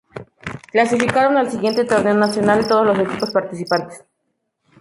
Clasificaron al siguiente Torneo Nacional todos los equipos participantes.